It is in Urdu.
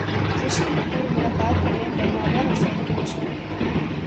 رشی کپور ملاقات کرنے پر ماورا حسین کے مشکور